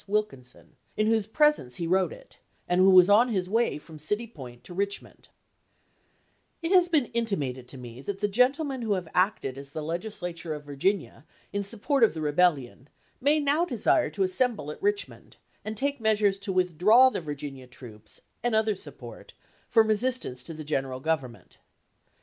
Wilkinson, in whose presence he wrote it, and who was on his way from City Point to Richmond: It has been intimated to me that the gentlemen who have acted as the Legislature of Virginia in support of the rebellion may now desire to assemble at Richmond, and take measures to withdraw the Virginia troops and other support from resistance to the General Government.